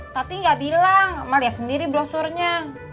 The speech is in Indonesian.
tati gak bilang emak liat sendiri brosurnya